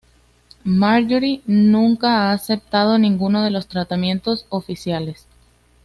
Maggiore nunca ha aceptado ninguno de los tratamientos oficiales.